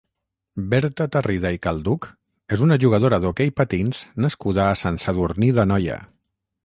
Berta Tarrida i Calduch és una jugadora d'hoquei patins nascuda a Sant Sadurní d'Anoia.